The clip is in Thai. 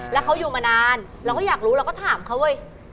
แล้วเขาอยู่มานานเราก็อยากรู้เราก็ถามเขาเว้ย